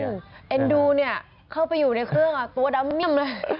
เอ็นดูเนี่ยเข้าไปอยู่ในเครื่องอ่ะตัวดำเมี่ยมเลย